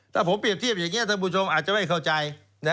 ถ้าผมเปรียบเทียบอย่างนี้ท่านผู้ชมอาจจะไม่เข้าใจ